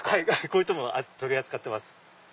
こういったもの取り扱ってます。